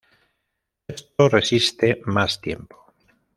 Esto resiste más tiempo.